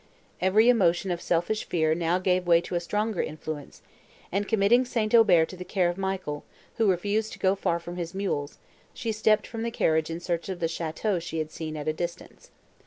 Every emotion of selfish fear now gave way to a stronger influence, and, committing St. Aubert to the care of Michael, who refused to go far from his mules, she stepped from the carriage in search of the château she had seen at a distance.